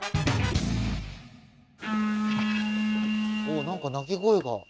お何か鳴き声が。